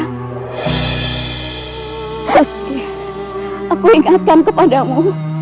gusti aku ingatkan kepadamu